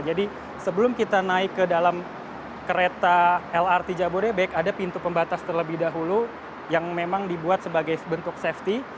jadi sebelum kita naik ke dalam kereta lrt jabodebek ada pintu pembatas terlebih dahulu yang memang dibuat sebagai bentuk safety